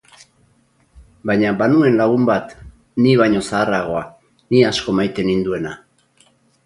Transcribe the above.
Baina banuen lagun bat, ni baino zaharragoa, ni asko maite ninduena.